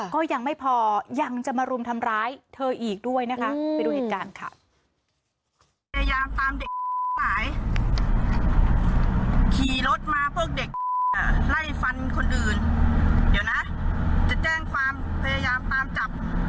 ก็ยังไม่พอยังจะมารุมทำร้ายเธออีกด้วยนะคะไปดูเหตุการณ์ค่ะ